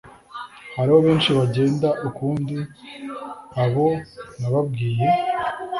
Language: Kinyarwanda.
Hariho benshi bagenda ukundi abo nababwiye